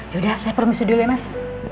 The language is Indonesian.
yaudah saya permisi dulu ya mas